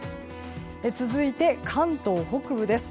続いて、関東北部です。